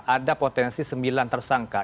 ada potensi sembilan tersangka